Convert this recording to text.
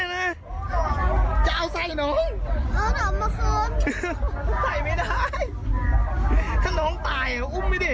ถุงจะไปใส่น้องได้ไงน้องตายใส่ไม่ได้